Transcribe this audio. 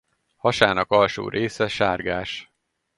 Hasának alsó része sárgás.